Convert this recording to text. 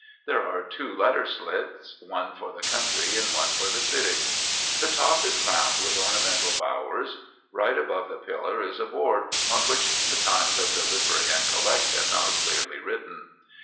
There are two letter slits, one for the country and one for the city. The top is crowned with ornamental bowers. Right above the pillar is a board on which the times of delivery and collection are clearly written.